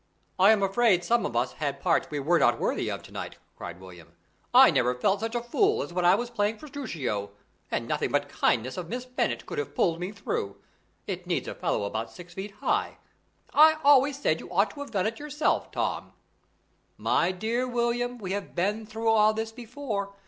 "I am afraid some of us had parts we were not worthy of, to night," cried William. "I never felt such a fool as when I was playing Petruchio, and nothing but the kindness of Miss Bennet could have pulled me through. It needs a fellow about six feet high; I always said you ought to have done it yourself, Tom." "My dear William, we have been through all this before.